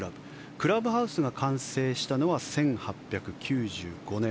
クラブハウスが完成したのは１８９５年。